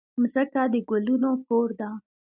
مځکه د ګلونو کور ده.